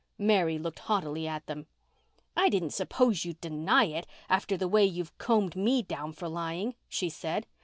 Mary looked haughtily at them. "I didn't suppose you'd deny it, after the way you've combed me down for lying," she said.